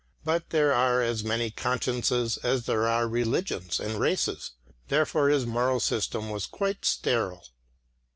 But there are as many consciences as there are religions and races; therefore his moral system was quite sterile.